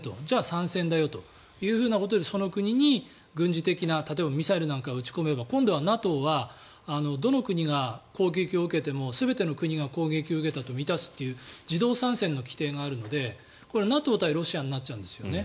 じゃあ参戦だよということでその国に軍事的な例えば、ミサイルなんかを撃ち込めば今度はＮＡＴＯはどの国が攻撃を受けても全ての国が攻撃を受けたと見なすという自動参戦の規定があるのでＮＡＴＯ対ロシアになっちゃうんです。